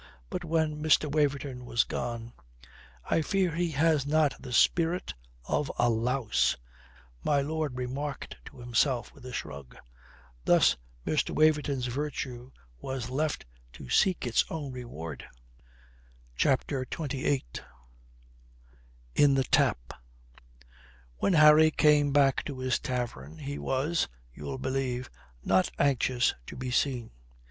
But when Mr. Waverton was gone: "I fear he has not the spirit of a louse," my lord remarked to himself with a shrug. Thus Mr. Waverton's virtue was left to seek its own reward. CHAPTER XXVIII IN THE TAP When Harry came back to his tavern, he was, you'll believe, not anxious to be seen.